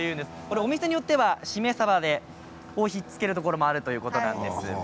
お店によっては、しめさばでひっつけるところがあるということです。